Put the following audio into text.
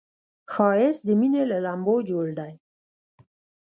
ښایست د مینې له لمبو جوړ دی